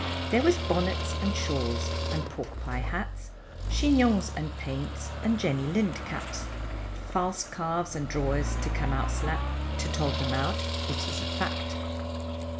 There was bonnets & shawls, & pork pie hats Chignons and paints, and Jenny Lind caps, False calves and drawers, to come out slap, To tog them out, it is a fact.